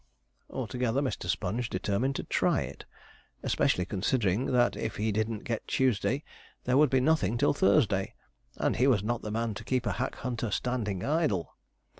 Altogether, Mr. Sponge determined to try it, especially considering that if he didn't get Tuesday, there would be nothing till Thursday; and he was not the man to keep a hack hunter standing idle.